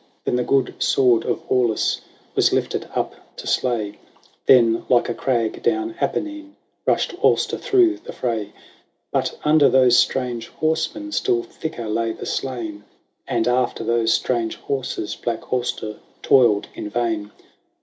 Then the good sword of Aulus Was lifted up to slay : Then, like a crag down Apennine, Rushed Auster through the fray. But under those strange horsemen Still thicker lay the slain ; And after those strange horses Black Auster toiled in vain.